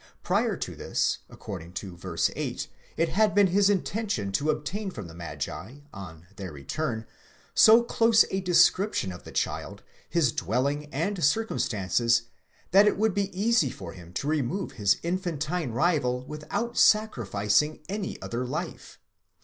Prior to this, according to v. 8, it had been his intention to obtain from the magi, on their return, so close a description of the child, his dwelling and circumstances, that it would be easy for him to remove his. infantine rival without sacrificing any other life.